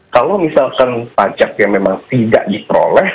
kalau misalkan pajak yang memang tidak diperoleh